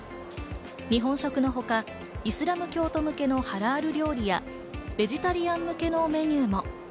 日本食のほか、イスラム教徒向けのハラール料理や、ベジタリアン向けのメニューも。